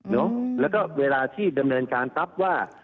เนอะแล้วเวลาที่เดินไปการทับว่า